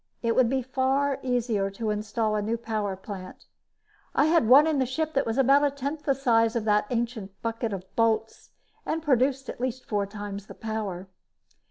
It would be far easier to install a new power plant. I had one in the ship that was about a tenth the size of the ancient bucket of bolts and produced at least four times the power.